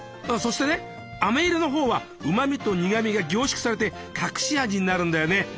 そしてねあめ色の方はうまみと苦みが凝縮されて隠し味になるんだよね。